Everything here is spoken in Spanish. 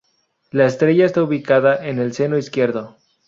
La estrella está ubicada en el seno izquierdo.